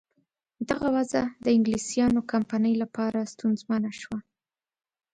دغه وضع د انګلیسیانو کمپنۍ لپاره سونسزمه شوه.